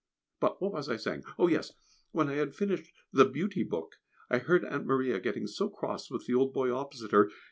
But what was I saying? Oh! yes, when I had finished the "Beauty Book," I heard Aunt Maria getting so cross with the old boy opposite her.